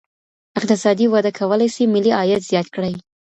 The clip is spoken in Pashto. اقتصادي وده کولی سي ملي عايد زيات کړي.